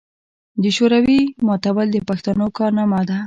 د شوروي ماتول د پښتنو کارنامه ده.